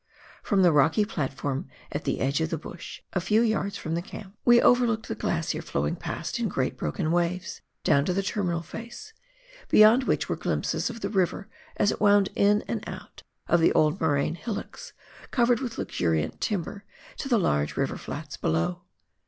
From tlie rocky platform at the edge of the bush, a few yards from the camp, we overlooked the glacier 58 PIONEER WORK IN THE ALPS OF NEW ZEALAND. flowing past, in great broken, waves, down to the terminal face, beyond wbicb were glimpses of the river as it wotmd in and out of the old moraine hillocks, covered with luxuriant timber, to the large river flats below.